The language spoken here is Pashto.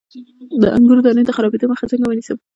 د انګورو د دانې د خرابیدو مخه څنګه ونیسم؟